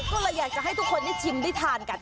ก็เลยอยากจะให้ทุกคนได้ชิมได้ทานกัน